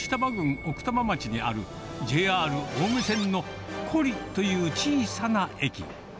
奥多摩町にあるＪＲ青梅線の古里という小さな駅。